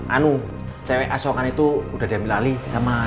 anu cewek asokan itu udah diam dialih sama temennya